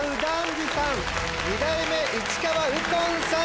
次さん二代目市川右近さん